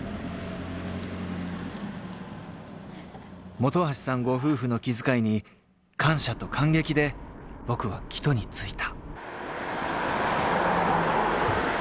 ［本橋さんご夫婦の気遣いに感謝と感激で僕は帰途に就いた］